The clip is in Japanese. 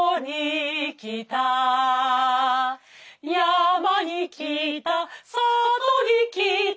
「山に来た里に来た」